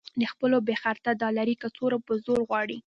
د خپلو بې خرطه ډالري کڅوړو په زور غواړي.